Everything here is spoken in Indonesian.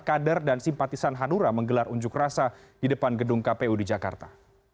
kader dan simpatisan hanura menggelar unjuk rasa di depan gedung kpu di jakarta